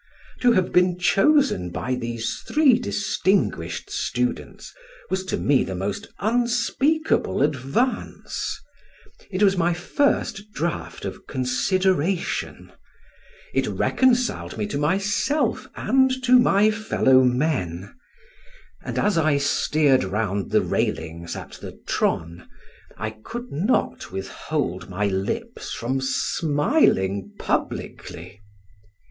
To have been chosen by these three distinguished students was to me the most unspeakable advance; it was my first draught of consideration; it reconciled me to myself and to my fellow men; and as I steered round the railings at the Tron, I could not withhold my lips from smiling publicly.